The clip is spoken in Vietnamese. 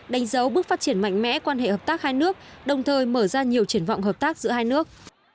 đánh dấu bước phát triển mạnh mẽ quan hệ hợp tác hai nước đồng thời mở ra nhiều triển vọng hợp tác giữa hai nước